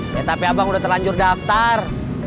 tetapi abang udah terlanjur daftar